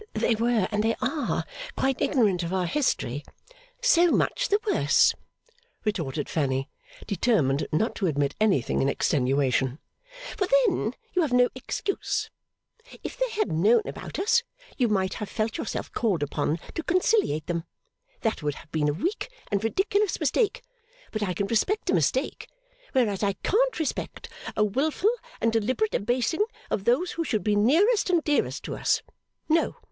They were, and they are, quite ignorant of our history.' 'So much the worse,' retorted Fanny, determined not to admit anything in extenuation, 'for then you have no excuse. If they had known about us, you might have felt yourself called upon to conciliate them. That would have been a weak and ridiculous mistake, but I can respect a mistake, whereas I can't respect a wilful and deliberate abasing of those who should be nearest and dearest to us. No.